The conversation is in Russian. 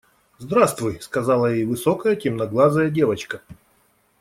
– Здравствуй, – сказала ей высокая темноглазая девочка.